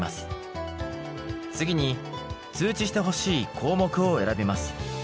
次に通知してほしい項目を選びます。